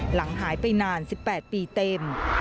หลังหายไปนานสิบแปดปีเต็ม